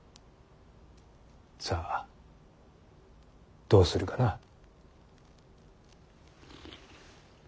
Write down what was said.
さあどうするかな。